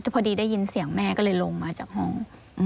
พอดีได้ยินเสียงแม่ก็เลยลงมาจากห้อง